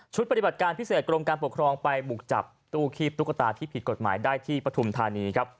ปฏิบัติการพิเศษกรมการปกครองไปบุกจับตู้คีบตุ๊กตาที่ผิดกฎหมายได้ที่ปฐุมธานีครับ